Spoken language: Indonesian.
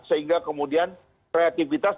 sehingga kemudian kreativitas